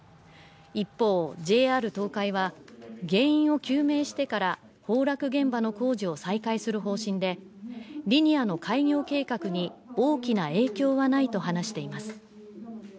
一方、ＪＲ東海は、原因を究明してから崩落現場の工事を再開する方針でリニアの開業計画に大きな影響はないと話しています。